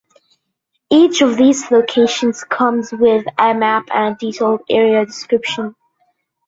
Each of these locations comes with a map and detailed area description.